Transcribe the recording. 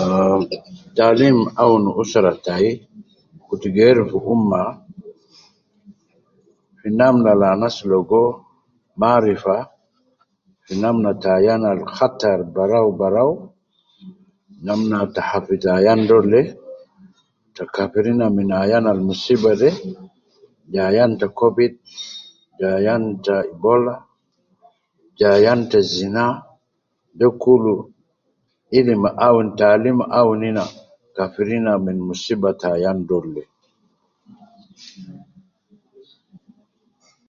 Aaaa , taalim awun usura tayi, fi kutu geeru fi umma, fi namna al anas logo ma arifa, fi namna ta ayan al hatar, barawu barawu, ma namna ta hafidhi ayan dolde, ta kafirina min ayan al musiba de ja ayan ta covid, ayan ta ebola ja ayan ta zina, de kulu ilim awunina fi kafirina fi musiba ta ayan dolde.